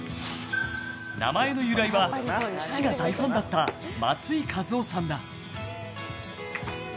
名前の由来は、父が大ファンだった松井稼頭央さんだ。